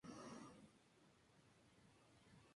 Se alimenta de frutos y de insectos.